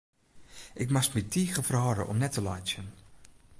Ik moast my tige ferhâlde om net te laitsjen.